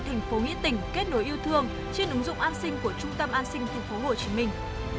thành phố nghĩa tình kết nối yêu thương trên ứng dụng an sinh của trung tâm an sinh thành phố hồ chí minh